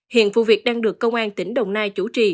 hiện vụ việc đang được công an tỉnh đồng nai chủ trì